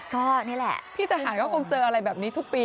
ก็นี่แหละพี่ทหารก็คงเจออะไรแบบนี้ทุกปี